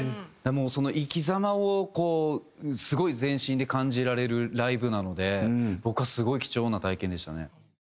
その生き様をこうすごい全身で感じられるライブなので僕はすごい貴重な体験でしたね。